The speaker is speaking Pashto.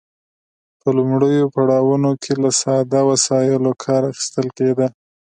په لومړیو پړاوونو کې له ساده وسایلو کار اخیستل کیده.